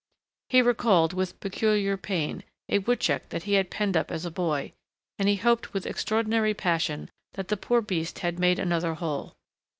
He recalled, with peculiar pain, a woodchuck that he had penned up as a boy, and he hoped with extraordinary passion that the poor beast had made another hole.